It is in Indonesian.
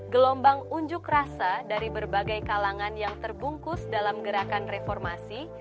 gelombang unjuk rasa dari berbagai kalangan yang terbungkus dalam gerakan reformasi